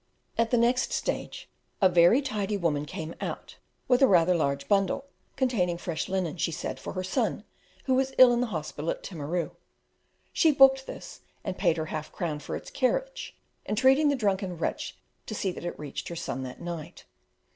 At the next stage a very tidy woman came out, with a rather large bundle, containing fresh linen, she said, for her son, who was ill in the hospital at Timaru. She booked this, and paid her half crown for its carriage, entreating the drunken wretch to see that it reached her son that night.